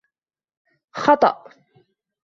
خطأ.